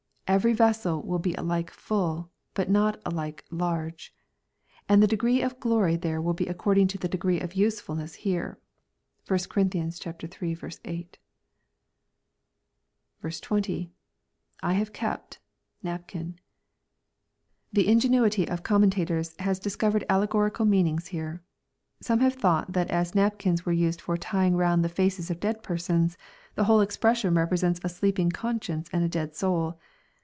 Every vessel will be alike full, but not alike large. And the de gree of glory there will be according to the degrees of usefulness here.'' (1 Cor. iii. 8.) 20. — [I "have kept^.naphin,'] The ingenuity of commentators has dis covered allegorical meanings here. Some have thought that as napkins were used for tying round the faces of dead persons, the whole expression represents a sleeping conscience and a dead soul.